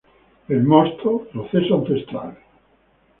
El Mosto: Proceso Ancestral.